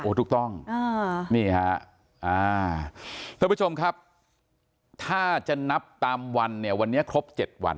โอ้ถูกต้องอ่านี่ฮะอ่าทุกผู้ชมครับถ้าจะนับตามวันเนี่ยวันนี้ครบเจ็ดวัน